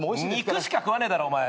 肉しか食わねえだろお前。